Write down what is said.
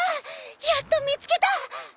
やっと見つけた！